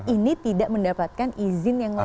ini tidak mendapatkan izin yang lain